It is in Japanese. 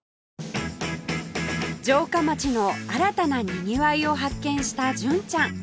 城下町の新たなにぎわいを発見した純ちゃん